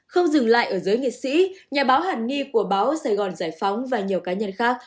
không dừng lại ở giới nghị sĩ nhà báo hẳn nghi của báo sài gòn giải phóng và nhiều cá nhân khác